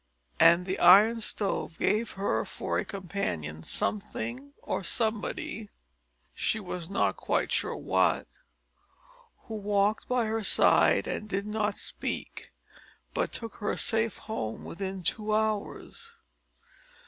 And the Iron Stove gave her for a companion something, or somebody she was not quite sure what who walked by her side and did not speak, but took her safe home within two hours.